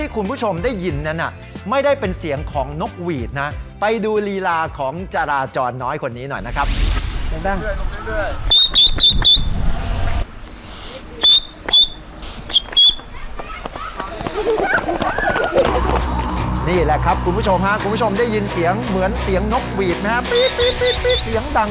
คุณผู้ชมฮะมาดูจาราจรตัวน้อยคนนี้กันหน่อยนะฮะ